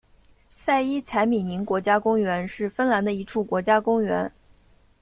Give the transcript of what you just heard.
塞伊采米宁国家公园是芬兰的一处国家公园。